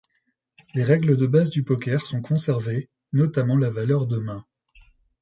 Les règles de base du poker sont conservées, notamment la valeur de mains.